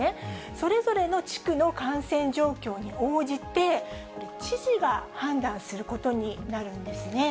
それぞれの地区の感染状況に応じて、知事が判断することになるんですね。